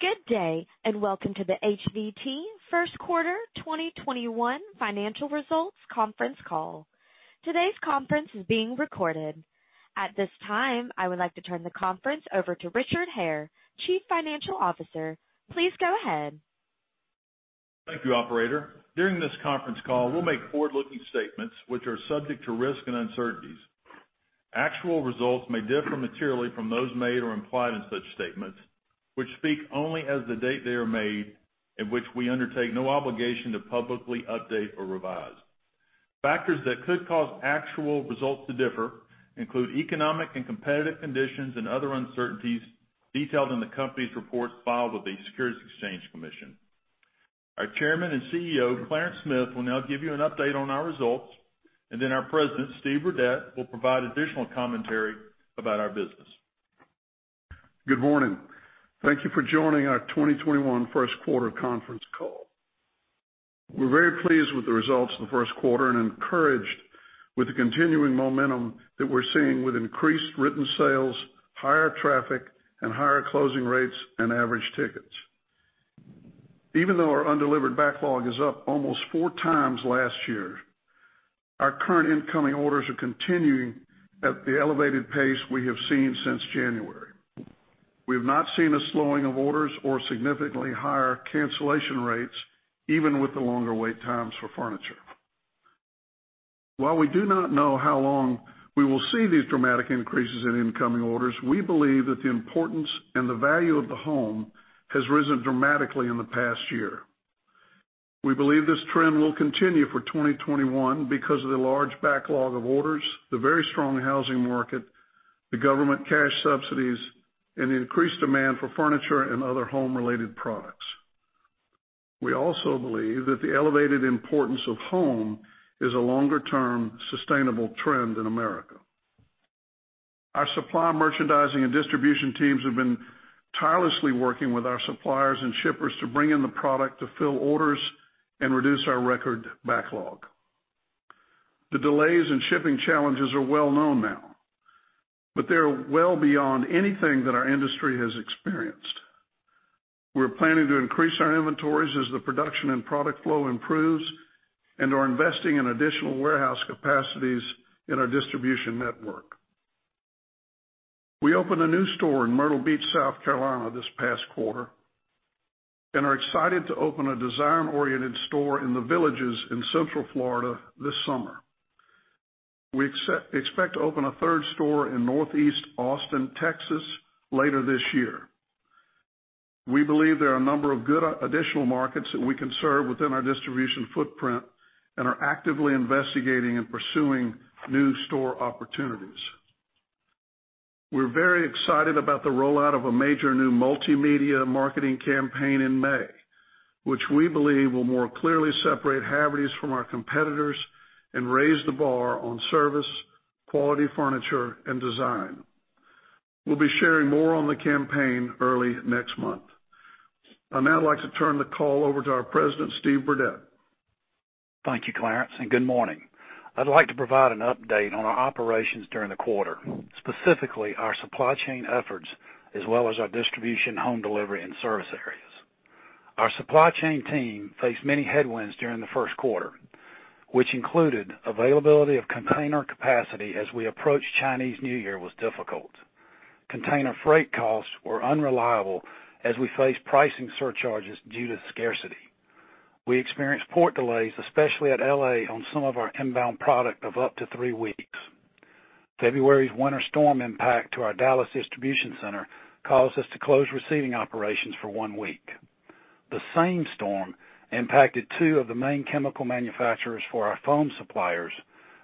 Good day, and welcome to the HVT first quarter 2021 financial results conference call. Today's conference is being recorded. At this time, I would like to turn the conference over to Richard Hare, Chief Financial Officer. Please go ahead. Thank you, operator. During this conference call, we'll make forward-looking statements which are subject to risk and uncertainties. Actual results may differ materially from those made or implied in such statements, which speak only as the date they are made and which we undertake no obligation to publicly update or revise. Factors that could cause actual results to differ include economic and competitive conditions and other uncertainties detailed in the company's reports filed with the Securities and Exchange Commission. Our Chairman and CEO, Clarence Smith, will now give you an update on our results, and then our President, Steve Burdette, will provide additional commentary about our business. Good morning. Thank you for joining our 2021 first quarter conference call. We're very pleased with the results of the first quarter and encouraged with the continuing momentum that we're seeing with increased written sales, higher traffic, and higher closing rates and average tickets. Even though our undelivered backlog is up almost 4x last year, our current incoming orders are continuing at the elevated pace we have seen since January. We have not seen a slowing of orders or significantly higher cancellation rates, even with the longer wait times for furniture. While we do not know how long we will see these dramatic increases in incoming orders, we believe that the importance and the value of the home has risen dramatically in the past year. We believe this trend will continue for 2021 because of the large backlog of orders, the very strong housing market, the government cash subsidies, and the increased demand for furniture and other home-related products. We also believe that the elevated importance of home is a longer-term, sustainable trend in America. Our supply merchandising and distribution teams have been tirelessly working with our suppliers and shippers to bring in the product to fill orders and reduce our record backlog. The delays and shipping challenges are well known now, but they are well beyond anything that our industry has experienced. We're planning to increase our inventories as the production and product flow improves and are investing in additional warehouse capacities in our distribution network. We opened a new store in Myrtle Beach, South Carolina, this past quarter and are excited to open a design-oriented store in The Villages in central Florida this summer. We expect to open a third store in northeast Austin, Texas, later this year. We believe there are a number of good additional markets that we can serve within our distribution footprint and are actively investigating and pursuing new store opportunities. We're very excited about the rollout of a major new multimedia marketing campaign in May, which we believe will more clearly separate Havertys from our competitors and raise the bar on service, quality furniture, and design. We'll be sharing more on the campaign early next month. I'd now like to turn the call over to our President, Steve Burdette. Thank you, Clarence, and good morning. I'd like to provide an update on our operations during the quarter, specifically our supply chain efforts, as well as our distribution, home delivery, and service areas. Our supply chain team faced many headwinds during the first quarter, which included availability of container capacity as we approached Chinese New Year was difficult. Container freight costs were unreliable as we faced pricing surcharges due to scarcity. We experienced port delays, especially at L.A., on some of our inbound product of up to three weeks. February's winter storm impact to our Dallas distribution center caused us to close receiving operations for one week. The same storm impacted two of the main chemical manufacturers for our foam suppliers,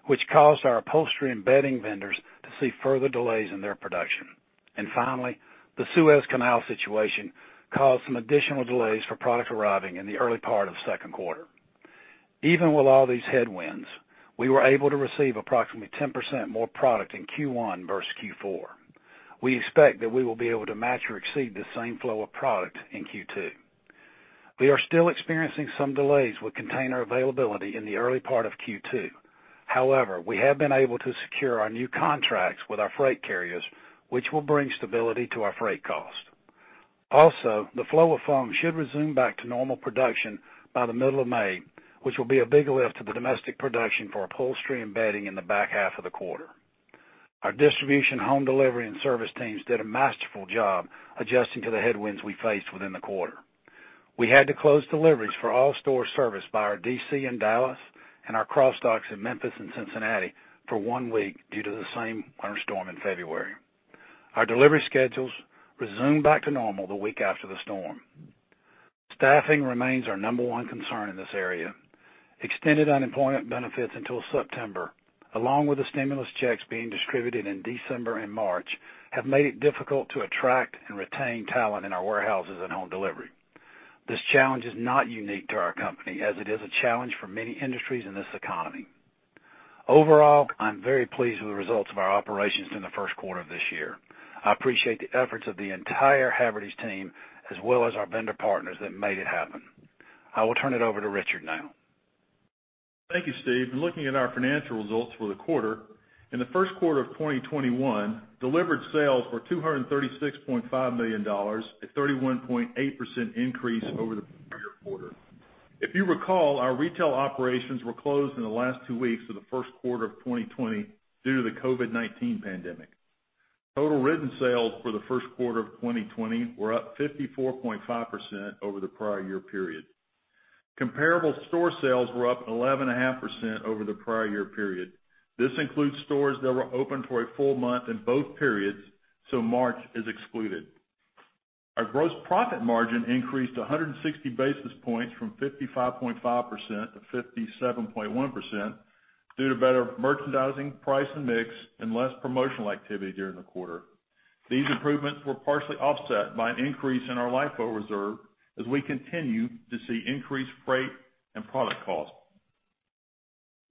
which caused our upholstery and bedding vendors to see further delays in their production. Finally, the Suez Canal situation caused some additional delays for product arriving in the early part of the second quarter. Even with all these headwinds, we were able to receive approximately 10% more product in Q1 versus Q4. We expect that we will be able to match or exceed the same flow of product in Q2. We are still experiencing some delays with container availability in the early part of Q2. However, we have been able to secure our new contracts with our freight carriers, which will bring stability to our freight cost. Also, the flow of foam should resume back to normal production by the middle of May, which will be a big lift to the domestic production for upholstery and bedding in the back half of the quarter. Our distribution, home delivery, and service teams did a masterful job adjusting to the headwinds we faced within the quarter. We had to close deliveries for all store service by our DC in Dallas and our cross docks in Memphis and Cincinnati for one week due to the same winter storm in February. Our delivery schedules resumed back to normal the week after the storm. Staffing remains our number one concern in this area. Extended unemployment benefits until September, along with the stimulus checks being distributed in December and March, have made it difficult to attract and retain talent in our warehouses and home delivery. This challenge is not unique to our company, as it is a challenge for many industries in this economy. Overall, I'm very pleased with the results of our operations in the first quarter of this year. I appreciate the efforts of the entire Havertys team as well as our vendor partners that made it happen. I will turn it over to Richard now. Thank you, Steve. In looking at our financial results for the quarter, in the first quarter of 2021, delivered sales were $236.5 million, a 31.8% increase over the prior quarter. If you recall, our retail operations were closed in the last two weeks of the first quarter of 2020 due to the COVID-19 pandemic. Total written sales for the first quarter of 2020 were up 54.5% over the prior year period. Comparable store sales were up 11.5% over the prior year period. This includes stores that were open for a full month in both periods, so March is excluded. Our gross profit margin increased 160 basis points from 55.5% to 57.1% due to better merchandising price and mix and less promotional activity during the quarter. These improvements were partially offset by an increase in our LIFO reserve as we continue to see increased freight and product costs.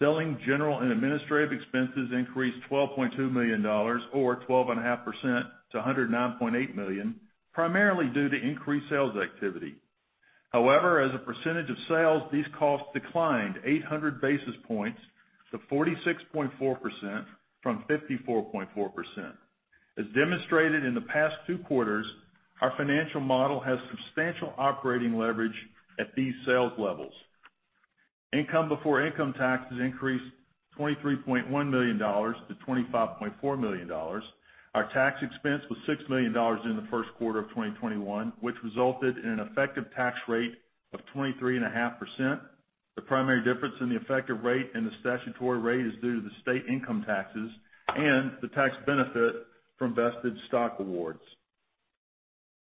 Selling general and administrative expenses increased $12.2 million or 12.5% to $109.8 million, primarily due to increased sales activity. However, as a percentage of sales, these costs declined 800 basis points to 46.4% from 54.4%. As demonstrated in the past two quarters, our financial model has substantial operating leverage at these sales levels. Income before income taxes increased $23.1 million to $25.4 million. Our tax expense was $6 million in the first quarter of 2021, which resulted in an effective tax rate of 23.5%. The primary difference in the effective rate and the statutory rate is due to the state income taxes and the tax benefit from vested stock awards.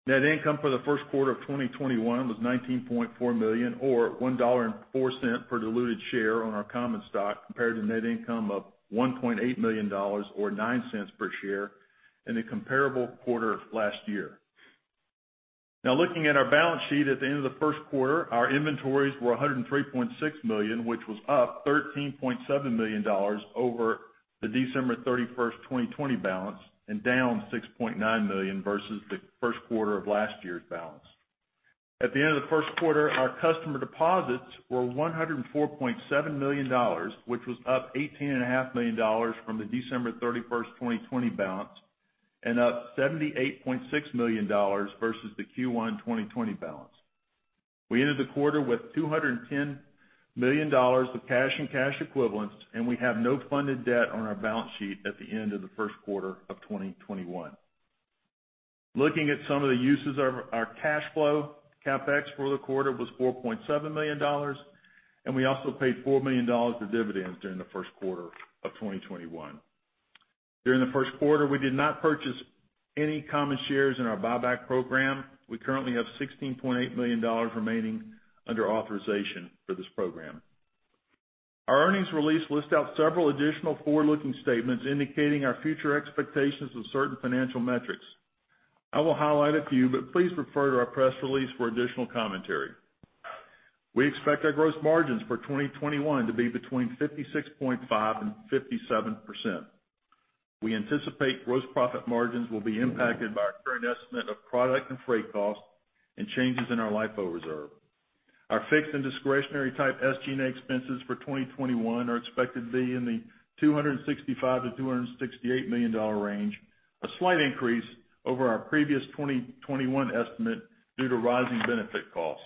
Net income for the first quarter of 2021 was $19.4 million, or $1.04 per diluted share on our common stock, compared to net income of $1.8 million or $0.09 per share in the comparable quarter of last year. Now, looking at our balance sheet at the end of the first quarter, our inventories were $103.6 million, which was up $13.7 million over the December 31st, 2020 balance, and down $6.9 million versus the first quarter of last year's balance. At the end of the first quarter, our customer deposits were $104.7 million, which was up $18.5 million from the December 31st, 2020 balance and up $78.6 million versus the Q1 2020 balance. We ended the quarter with $210 million of cash and cash equivalents, and we have no funded debt on our balance sheet at the end of the first quarter of 2021. Looking at some of the uses of our cash flow, CapEx for the quarter was $4.7 million, and we also paid $4 million in dividends during the first quarter of 2021. During the first quarter, we did not purchase any common shares in our buyback program. We currently have $16.8 million remaining under authorization for this program. Our earnings release lists out several additional forward-looking statements indicating our future expectations of certain financial metrics. I will highlight a few, but please refer to our press release for additional commentary. We expect our gross margins for 2021 to be between 56.5% and 57%. We anticipate gross profit margins will be impacted by our current estimate of product and freight costs and changes in our LIFO reserve. Our fixed and discretionary type SGA expenses for 2021 are expected to be in the $265 million-$268 million range, a slight increase over our previous 2021 estimate due to rising benefit costs.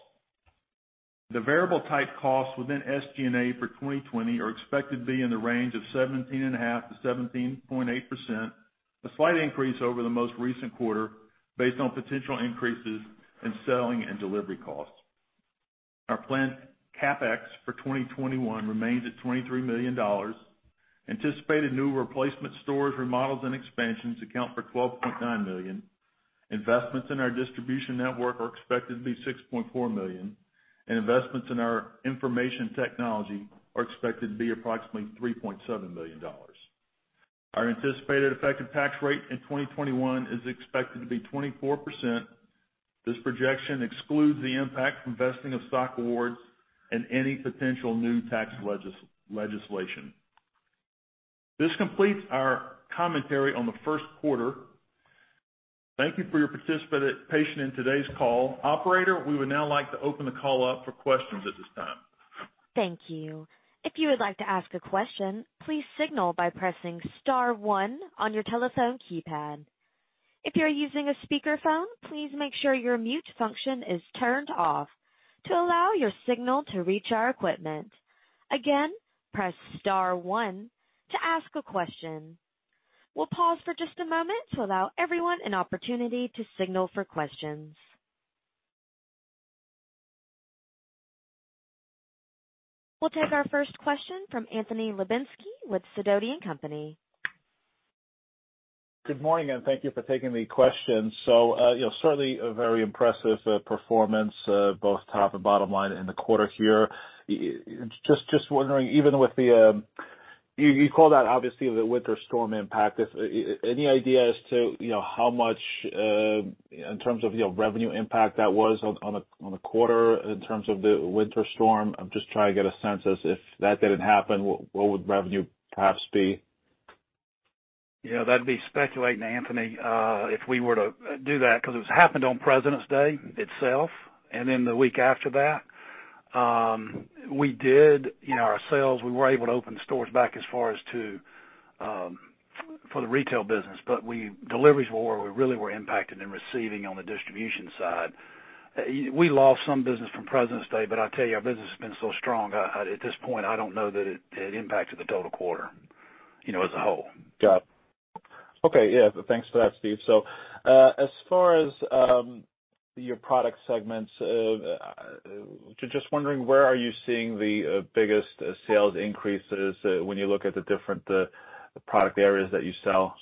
The variable type costs within SG&A for 2020 are expected to be in the range of 17.5%-17.8%, a slight increase over the most recent quarter based on potential increases in selling and delivery costs. Our planned CapEx for 2021 remains at $23 million. Anticipated new replacement stores, remodels, and expansions account for $12.9 million. Investments in our distribution network are expected to be $6.4 million, and investments in our information technology are expected to be approximately $3.7 million. Our anticipated effective tax rate in 2021 is expected to be 24%. This projection excludes the impact from vesting of stock awards and any potential new tax legislation. This completes our commentary on the first quarter. Thank you for your participation in today's call. Operator, we would now like to open the call up for questions at this time. Thank you. If you would like to ask a question, please signal by pressing star one on your telephone keypad. If you are using a speakerphone, please make sure your mute function is turned off to allow your signal to reach our equipment. Again, press star one to ask a question. We'll pause for just a moment to allow everyone an opportunity to signal for questions. We'll take our first question from Anthony Lebiedzinski with Sidoti & Company. Good morning, thank you for taking the question. Certainly a very impressive performance, both top and bottom line in the quarter here. Just wondering, even with you call that obviously the winter storm impact. Any idea as to how much in terms of revenue impact that was on the quarter in terms of the winter storm? I'm just trying to get a sense as if that didn't happen, what would revenue perhaps be? Yeah, that'd be speculating, Anthony, if we were to do that, because it happened on President's Day itself, and then the week after that. We did our sales. We were able to open stores back as far as for the retail business. Deliveries were where we really were impacted in receiving on the distribution side. We lost some business from President's Day, but I tell you, our business has been so strong. At this point, I don't know that it impacted the total quarter as a whole. Got it. Okay. Yeah. Thanks for that, Steve. As far as your product segments, just wondering, where are you seeing the biggest sales increases when you look at the different product areas that you sell?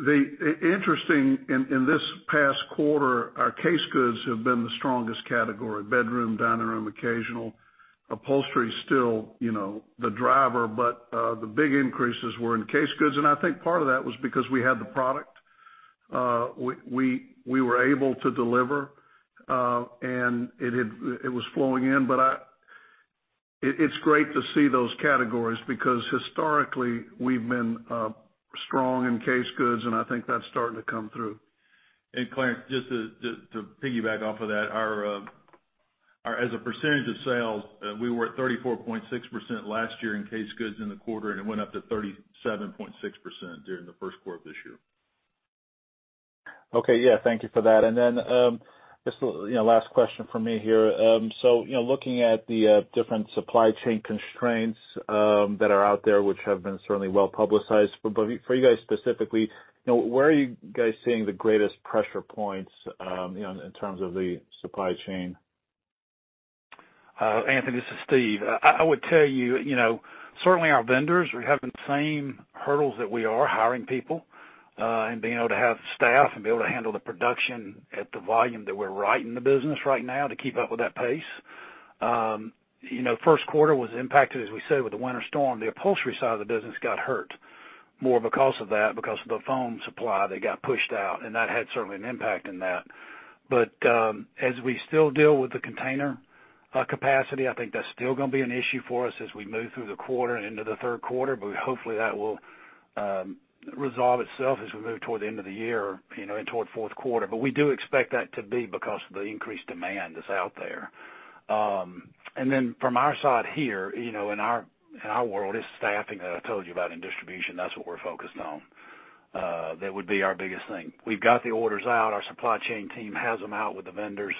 Interesting, in this past quarter, our case goods have been the strongest category: bedroom, dining room, occasional. Upholstery is still the driver, but the big increases were in case goods. I think part of that was because we had the product. We were able to deliver, and it was flowing in. It's great to see those categories because historically, we've been strong in case goods, and I think that's starting to come through. Clarence, just to piggyback off of that, as a percentage of sales, we were at 34.6% last year in case goods in the quarter, and it went up to 37.6% during the first quarter of this year. Okay. Yeah. Thank you for that. Just last question from me here. Looking at the different supply chain constraints that are out there, which have been certainly well-publicized. For you guys specifically, where are you guys seeing the greatest pressure points in terms of the supply chain? Anthony, this is Steve. I would tell you, certainly our vendors are having the same hurdles that we are, hiring people and being able to have staff and be able to handle the production at the volume that we're right in the business right now to keep up with that pace. First quarter was impacted, as we said, with the winter storm. The upholstery side of the business got hurt more because of that, because of the foam supply that got pushed out, and that had certainly an impact in that. As we still deal with the container capacity, I think that's still going to be an issue for us as we move through the quarter and into the third quarter. Hopefully, that will resolve itself as we move toward the end of the year and toward fourth quarter. We do expect that to be because of the increased demand that's out there. From our side here, in our world, it's staffing that I told you about in distribution. That's what we're focused on. That would be our biggest thing. We've got the orders out. Our supply chain team has them out with the vendors.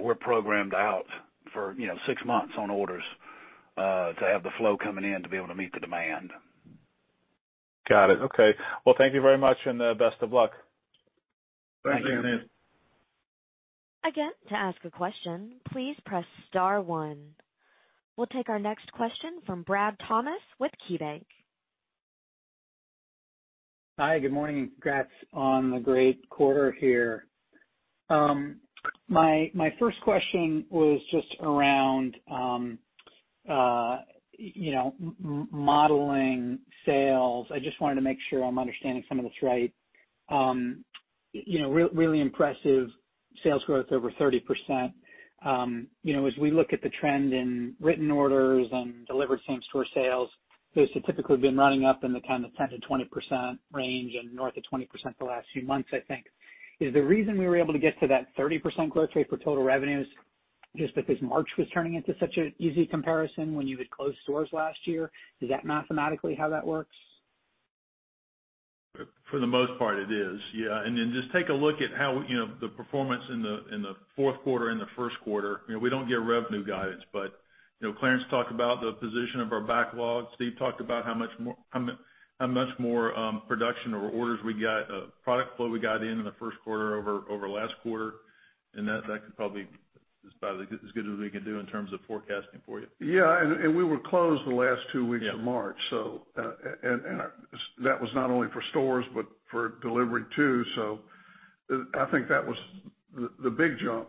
We're programmed out for six months on orders to have the flow coming in to be able to meet the demand. Got it. Okay. Well, thank you very much, and best of luck. Thanks, Anthony. Thank you. To ask a question, please press star one. We'll take our next question from Brad Thomas with KeyBank. Hi, good morning. Congrats on the great quarter here. My first question was just around modeling sales. I just wanted to make sure I'm understanding some of this right. Really impressive sales growth over 30%. As we look at the trend in written orders and delivered same-store sales, those have typically been running up in the kind of 10%-20% range and north of 20% the last few months, I think. Is the reason we were able to get to that 30% growth rate for total revenues just because March was turning into such an easy comparison when you had closed stores last year? Is that mathematically how that works? For the most part, it is. Yeah. Just take a look at how the performance in the fourth quarter and the first quarter. We don't give revenue guidance, but Clarence talked about the position of our backlog. Steve talked about how much more production or orders we got, product flow we got in the first quarter over last quarter. That could probably be as good as we can do in terms of forecasting for you. Yeah. We were closed the last two weeks of March. Yeah. That was not only for stores but for delivery, too. I think that was the big jump.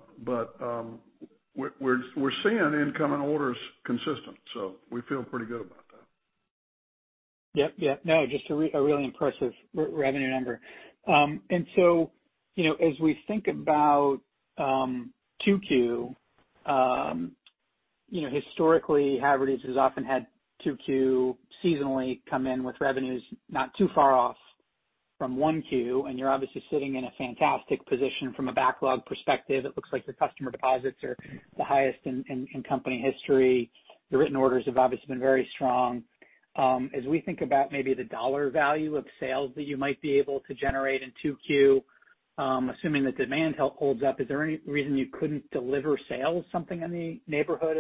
We're seeing incoming orders consistent, so we feel pretty good about that. Yep. No, just a really impressive revenue number. As we think about 2Q, historically, Havertys has often had 2Q seasonally come in with revenues not too far off from 1Q, and you're obviously sitting in a fantastic position from a backlog perspective. It looks like the customer deposits are the highest in company history. The written orders have obviously been very strong. As we think about maybe the dollar value of sales that you might be able to generate in 2Q, assuming the demand holds up, is there any reason you couldn't deliver sales something in the neighborhood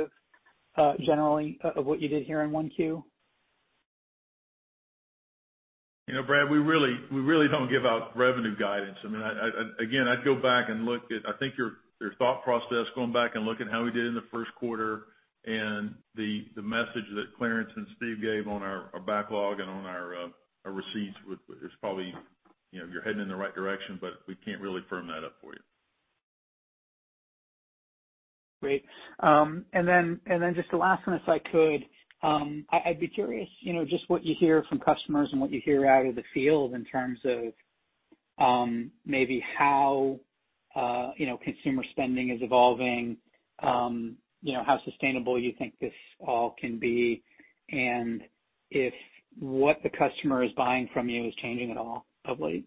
of generally of what you did here in 1Q? Brad, we really don't give out revenue guidance. Again, I'd go back and look at, I think your thought process going back and looking at how we did in the first quarter and the message that Clarence and Steve gave on our backlog and on our receipts is probably you're heading in the right direction, but we can't really firm that up for you. Great. Just the last one, if I could. I'd be curious just what you hear from customers and what you hear out of the field in terms of maybe how consumer spending is evolving, how sustainable you think this all can be, and if what the customer is buying from you is changing at all of late.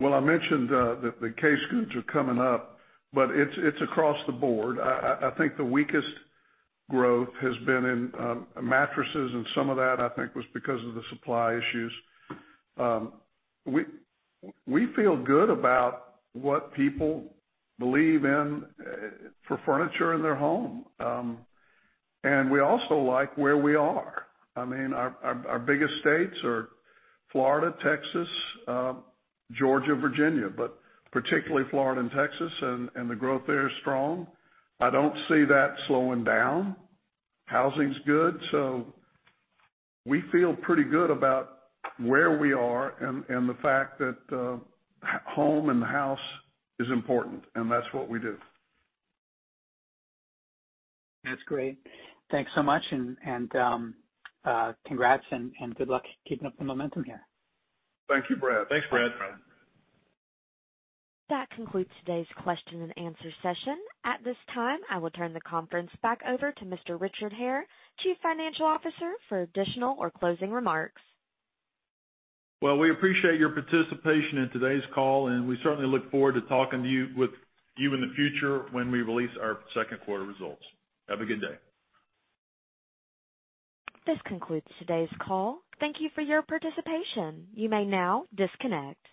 Well, I mentioned the case goods are coming up, but it's across the board. I think the weakest growth has been in mattresses, and some of that, I think, was because of the supply issues. We feel good about what people believe in for furniture in their home. We also like where we are. Our biggest states are Florida, Texas, Georgia, Virginia, but particularly Florida and Texas, and the growth there is strong. I don't see that slowing down. Housing's good. We feel pretty good about where we are and the fact that home and the house is important, and that's what we do. That's great. Thanks so much. Congrats and good luck keeping up the momentum here. Thank you, Brad. Thanks, Brad. Thanks. That concludes today's question and answer session. At this time, I will turn the conference back over to Mr. Richard Hare, Chief Financial Officer, for additional or closing remarks. Well, we appreciate your participation in today's call, and we certainly look forward to talking with you in the future when we release our second quarter results. Have a good day. This concludes today's call. Thank you for your participation. You may now disconnect.